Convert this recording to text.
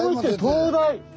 東大！